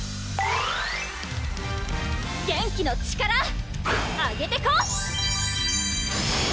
元気の力アゲてこ！